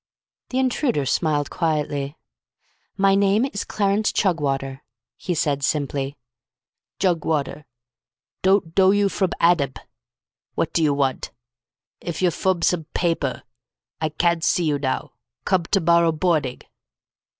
The intruder smiled quietly. "My name is Clarence Chugwater," he said simply. "Jugwater? Dod't doe you frob Adab. What do you want? If you're forb sub paper, I cad't see you now. Cub to borrow bordig."